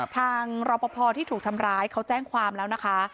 รอปภที่ถูกทำร้ายเขาแจ้งความแล้วนะคะ